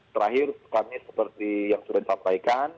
terakhir kami seperti yang sudah disampaikan